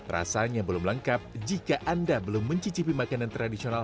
rasanya belum lengkap jika anda belum mencicipi makanan tradisional